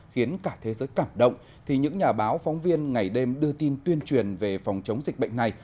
khiến cả thế giới cảm động thì những nhà báo phóng viên ngày đêm đưa tin tuyên truyền về phòng chống dịch bệnh này